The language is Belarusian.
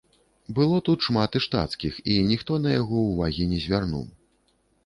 Было тут шмат і штацкіх, і ніхто на яго ўвагі не звярнуў.